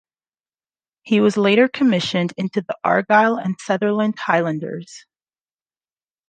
He was later commissioned into the Argyll and Sutherland Highlanders.